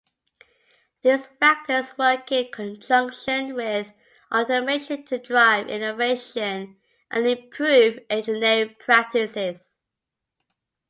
These factors work in conjunction with automation to drive innovation and improve engineering practices.